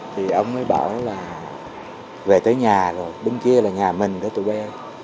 thì ông ấy bảo là về tới nhà rồi bên kia là nhà mình đó tụi bé